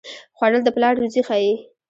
خوړل د پلار روزي ښيي